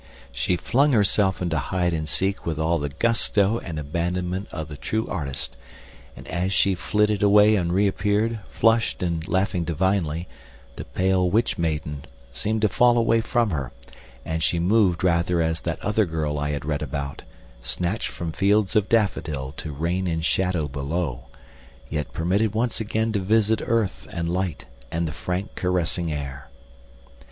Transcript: She flung herself into hide and seek with all the gusto and abandonment of the true artist, and as she flitted away and reappeared, flushed and laughing divinely, the pale witch maiden seemed to fall away from her, and she moved rather as that other girl I had read about, snatched from fields of daffodil to reign in shadow below, yet permitted once again to visit earth, and light, and the frank, caressing air.